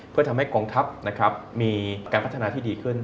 เพื่อทำให้กองทัพมีการพัฒนาที่ดีขึ้น